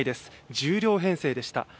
１０両編成でした。